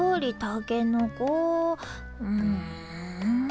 うん。